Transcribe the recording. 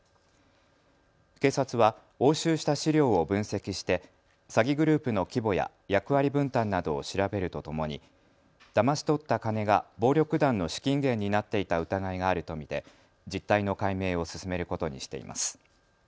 警察は押収した資料を分析して詐欺グループの規模や役割分担などを調べるとともにだまし取った金が暴力団の資金源になっていた疑いがあると見て実態の解明を進めることにしています。